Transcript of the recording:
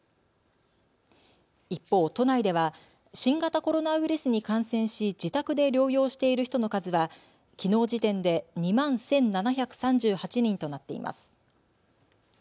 一方、都内では新型コロナウイルスに感染し自宅で療養している人の数はきのう時点で２万１７３８人となっています。